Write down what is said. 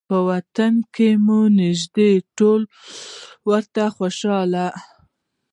په وطن کې یو مونږ ټول ورته خوشحاله